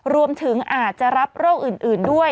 รวมถึงอาจจะรับโรคอื่นด้วย